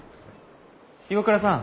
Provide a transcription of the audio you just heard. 岩倉さん。